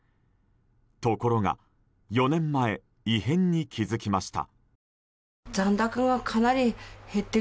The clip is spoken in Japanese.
ところが、４年前異変に気付きました。